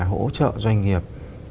hỗ trợ doanh nghiệp